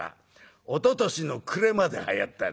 おととしの暮れまではやったんだ。